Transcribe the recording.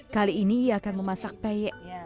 kali ini ia akan memasak peyek